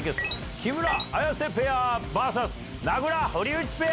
木村・綾瀬ペアｖｓ名倉・堀内ペア。